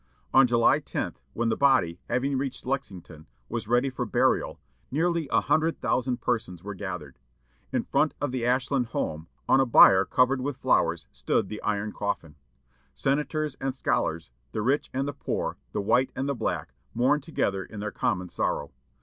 On July 10, when the body, having reached Lexington, was ready for burial, nearly a hundred thousand persons were gathered. In front of the Ashland home, on a bier covered with flowers, stood the iron coffin. Senators and scholars, the rich and the poor, the white and the black, mourned together in their common sorrow.